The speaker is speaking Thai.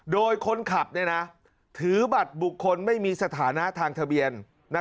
โดยคนขับถือบัตรบุคคลไม่มีสถานะทางทะเบียน